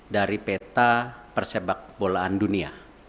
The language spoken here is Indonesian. dari peta persepak bolaan dunia